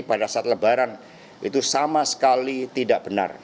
pada saat lebaran itu sama sekali tidak benar